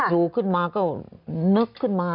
อยู่ขึ้นมาก็นึกขึ้นมา